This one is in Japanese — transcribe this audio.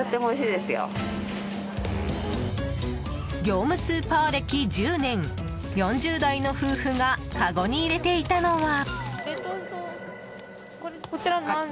業務スーパー歴１０年４０代の夫婦がかごに入れていたのは。